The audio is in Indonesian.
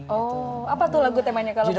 oh apa tuh lagu temanya kalau boleh